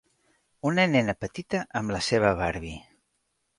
Una nena petita amb la seva barbie.